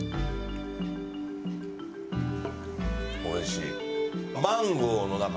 おいしい。